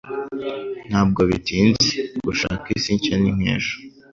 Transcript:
Ntabwo bitinze gushaka isi nshya ni nkejo